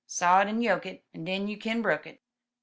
Saw it en yoke it. En den you kin broke it.